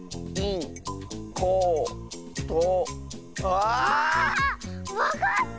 ああっ⁉わかった！